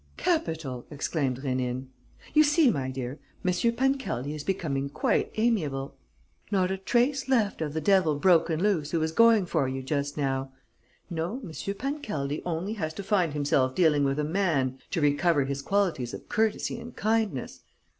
"Capital!" exclaimed Rénine "You see, my dear, M. Pancaldi is becoming quite amiable. Not a trace left of the devil broken loose who was going for you just now. No, M. Pancaldi only has to find himself dealing with a man to recover his qualities of courtesy and kindness.